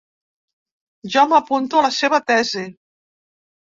Jo m’apunto a la seva tesi.